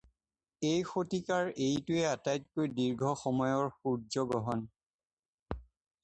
এই শতিকাৰ এইটোৱেই আটাইতকৈ দীৰ্ঘ সময়ৰ সূৰ্য গ্ৰহণ।